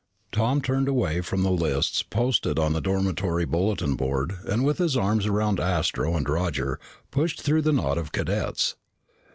Tom turned away from the lists posted on the dormitory bulletin board and with his arms around Astro and Roger pushed through the knot of cadets.